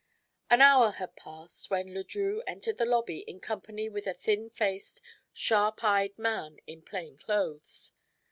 An hour had passed when Le Drieux entered the lobby in company with a thin faced, sharp eyed man in plain clothes.